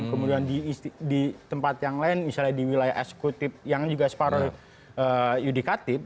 kemudian di tempat yang lain misalnya di wilayah eksekutif yang juga separoh yudikatif